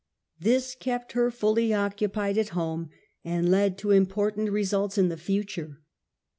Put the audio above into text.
This kept her fully occupied at home, and led to important results in the future.